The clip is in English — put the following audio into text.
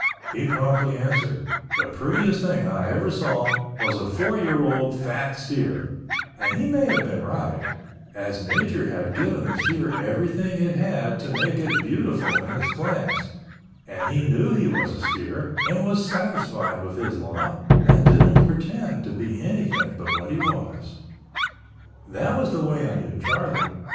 He promptly answered, "The prettiest thing I ever saw was a four year old fat steer," and he may have been right, as nature had given the steer everything it had to make it beautiful in its class, and he knew he was a steer and was satisfied with his lot and didn't pretend to be anything but what he was. That was the way I knew Charlie.